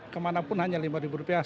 kemana pun hanya lima per orang